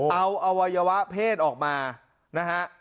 เอาอวัยวะเพศออกมานะฮะ